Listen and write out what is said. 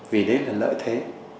vì đấy là lợi thế